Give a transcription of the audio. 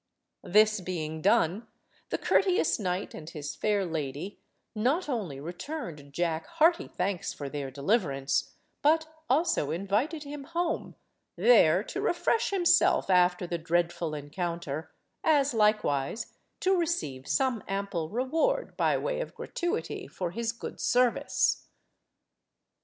This being done, the courteous knight and his fair lady not only returned Jack hearty thanks for their deliverance, but also invited him home, there to refresh himself after the dreadful encounter, as likewise to receive some ample reward, by way of gratuity, for his good service.